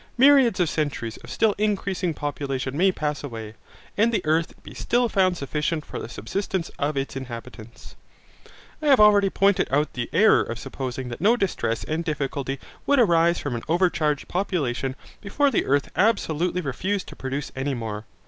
Myriads of centuries of still increasing population may pass away, and the earth be still found sufficient for the subsistence of its inhabitants. I have already pointed out the error of supposing that no distress and difficulty would arise from an overcharged population before the earth absolutely refused to produce any more.